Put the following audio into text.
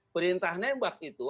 perintah nembak itu